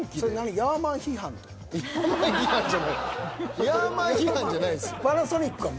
「ヤーマン」批判じゃないです。